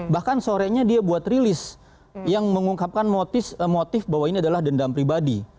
bahkan sorenya dia buat rilis yang mengungkapkan motif bahwa ini adalah dendam pribadi